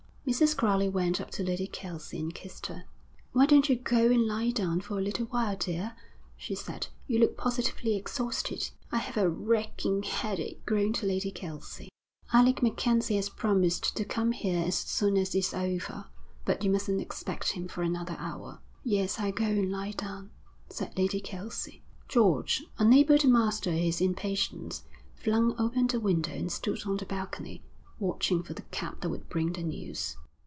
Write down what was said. Mrs. Crowley went up to Lady Kelsey and kissed her. 'Why don't you go and lie down for a little while, dear,' she said. 'You look positively exhausted.' 'I have a racking headache,' groaned Lady Kelsey. 'Alec MacKenzie has promised to come here as soon as its over. But you mustn't expect him for another hour.' 'Yes, I'll go and lie down,' said Lady Kelsey. George, unable to master his impatience, flung open the window and stood on the balcony, watching for the cab that would bring the news.